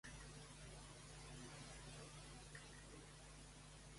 Dotze detinguts a les comarques tarragonins en una operació contra el blanqueig de capitals.